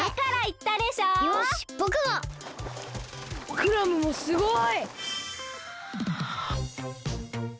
クラムもすごい！